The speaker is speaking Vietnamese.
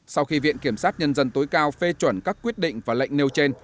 sau khi viện kiểm sát nhân dân tối cao phê chuẩn các quyết định và lệnh nêu trên